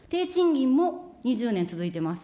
低賃金も２０年続いています。